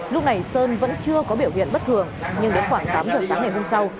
lúc này sơn vẫn chưa có biểu hiện bất thường nhưng đến khoảng tám giờ sáng ngày hôm sau